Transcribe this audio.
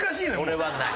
これはない。